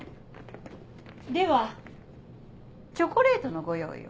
ではチョコレートのご用意を。